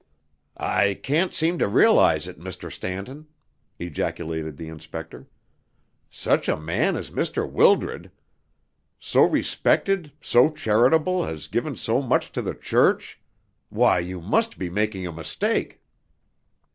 "I can't seem to realise it, Mr. Stanton," ejaculated the inspector. "Such a man as Mr. Wildred! So respected, so charitable, has given so much to the church! Why, you must be making a mistake."